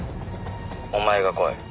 「お前が来い」